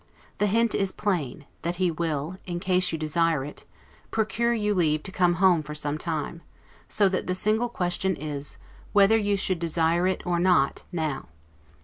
The hint is plain, that he will (in case you desire it) procure you leave to come home for some time; so that the single question is, whether you should desire it or not, NOW.